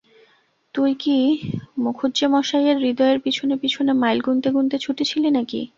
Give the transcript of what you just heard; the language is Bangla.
তুই কি মুখুজ্যেমশায়ের হৃদয়ের পিছনে পিছনে মাইল গুনতে গুনতে ছুটেছিলি নাকি?